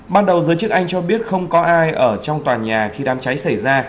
ban đầu giới chức anh cho biết không có ai ở trong tòa nhà khi đám cháy xảy ra